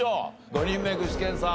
５人目具志堅さん